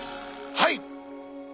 はい！